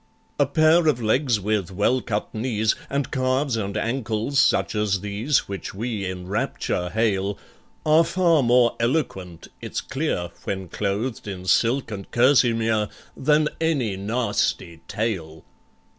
"A pair of legs with well cut knees, And calves and ankles such as these Which we in rapture hail, Are far more eloquent, it's clear (When clothed in silk and kerseymere), Than any nasty tail."